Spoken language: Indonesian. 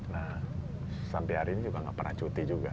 nah sampai hari ini juga nggak pernah cuti juga